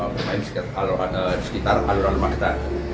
bermain sekitar aluran rumah kita